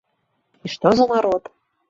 І што за народ!